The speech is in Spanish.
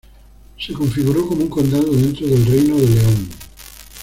Se configuró como un condado dentro del Reino de León.